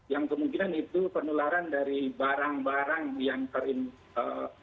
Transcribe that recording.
yang kemungkinan itu penularan dari barang barang yang terinfeksi